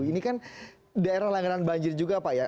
ini kan daerah langganan banjir juga pak ya